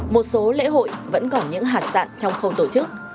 một số lễ hội vẫn còn những hạt sạn trong khâu tổ chức